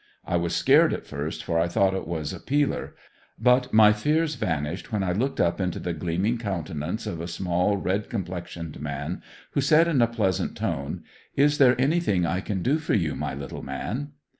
I was scared at first for I thought it was a "peeler;" but my fears vanished when I looked up into the gleaming countenance of a small, red complexioned man, who said in a pleasant tone: "Is there anything I can do for you my little man?"